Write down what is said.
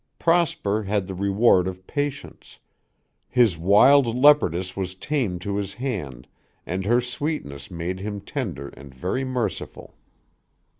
Prosper had the reward of patience; his wild leopardess was tamed to his hand and her sweetness made him tender and very merciful.